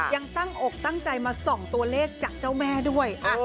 ยังตั้งอกตั้งใจมาส่องตัวเลขจากเจ้าแม่ด้วย